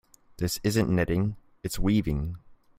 This isn't knitting, its weaving.